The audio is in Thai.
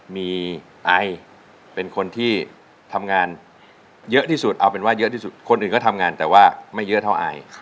มีไอเป็นคนที่ทำงานเยอะที่สุดเอาเป็นว่าเยอะที่สุดคนอื่นก็ทำงานแต่ว่าไม่เยอะเท่าไอ